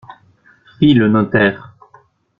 Fit le notaire.